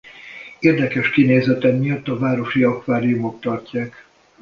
Érdekes kinézete miatt a városi akváriumok tartják.